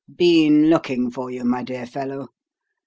Been looking for you, my dear fellow.